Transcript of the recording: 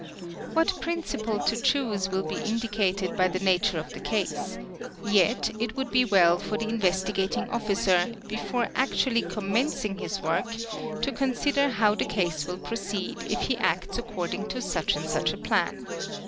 What "principle to choose will be indicated by the nature of the case; yet it would be well for the Investigating Officer before actually commencing 0.9 1 DAB ALI ata am <u eeta a is work to consider how the case will proceed if he acts according to such and such a plan.